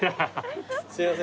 すいません